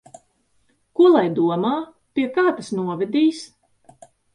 Ko lai domā? Pie kā tas novedīs?